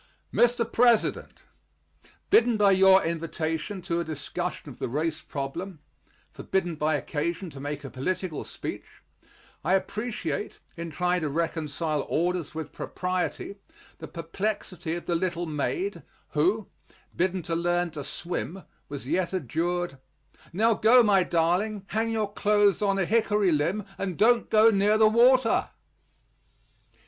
MR. PRESIDENT: Bidden by your invitation to a discussion of the race problem forbidden by occasion to make a political speech I appreciate, in trying to reconcile orders with propriety, the perplexity of the little maid, who, bidden to learn to swim, was yet adjured, "Now, go, my darling; hang your clothes on a hickory limb, and don't go near the water."